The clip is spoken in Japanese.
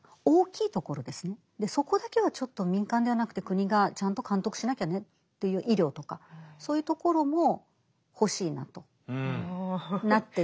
そこだけはちょっと民間ではなくて国がちゃんと監督しなきゃねっていう医療とかそういうところも欲しいなとなっていってどんどん食い込んでいく。